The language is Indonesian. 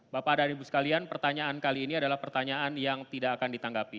bapak dan ibu sekalian pertanyaan kali ini adalah pertanyaan yang tidak akan ditanggapi